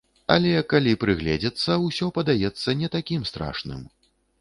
Але, калі прыгледзецца, усё падаецца не такім страшным.